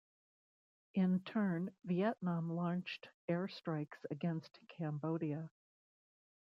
In turn, Vietnam launched air strikes against Cambodia.